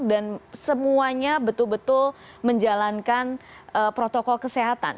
dan semuanya betul betul menjalankan protokol kesehatan